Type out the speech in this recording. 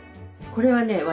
これはね